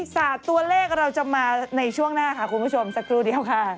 ศาสตร์ตัวเลขเราจะมาในช่วงหน้าค่ะคุณผู้ชมสักครู่เดียวค่ะ